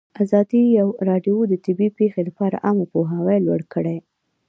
ازادي راډیو د طبیعي پېښې لپاره عامه پوهاوي لوړ کړی.